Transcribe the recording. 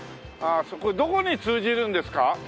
どこに通じるんですか？